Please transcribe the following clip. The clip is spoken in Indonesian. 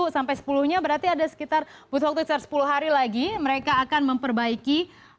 sepuluh sampai sepuluh nya berarti ada sekitar butuh waktu sekitar sepuluh hari lagi mereka akan memperbaiki